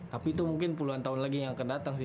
tapi itu mungkin puluhan tahun lagi yang akan datang sih